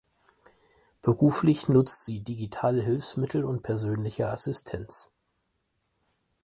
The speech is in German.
Beruflich nutzt sie digitale Hilfsmittel und persönliche Assistenz.